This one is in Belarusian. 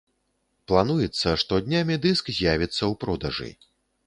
Плануецца, што днямі дыск з'явіцца ў продажы.